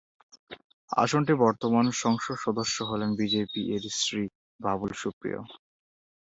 আসনটির বর্তমান সংসদ সদস্য হলেন বিজেপি-এর শ্রী বাবুল সুপ্রিয়।